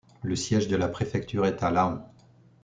Le siège de la préfecture est à Laon.